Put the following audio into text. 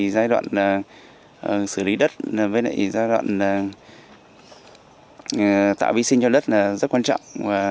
giai đoạn xử lý đất và giai đoạn tạo vi sinh cho đất rất quan trọng